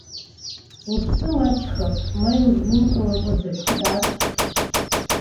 Лыԥсы маҷхап, ма илызнымкылакәа дыҳәҳәар?!